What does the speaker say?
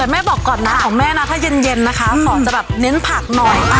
ให้แม่บอกก่อนหน้าของแม่นะคะถ้าเย็นมาค่อยนะคะของจะเน้นผักหน่อย